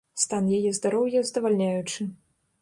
Стан яе здароўя здавальняючы.